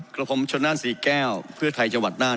กับผมชนนั่นศรีแก้วเพื่อไทยจังหวัดน่าน